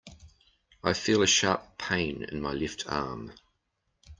I feel a sharp pain in my left arm.